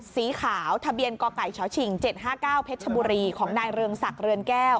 สีขาวทะเบียนกไก่ชชิง๗๕๙เพชรชบุรีของนายเรืองศักดิ์เรือนแก้ว